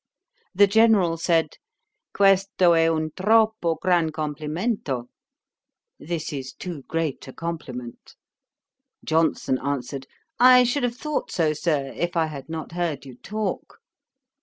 The General said, 'Questo e un troppo gran complimento;' this is too great a compliment. Johnson answered. 'I should have thought so, Sir, if I had not heard you talk.'